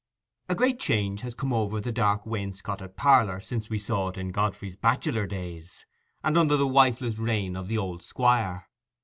A great change has come over the dark wainscoted parlour since we saw it in Godfrey's bachelor days, and under the wifeless reign of the old Squire.